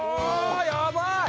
やばい。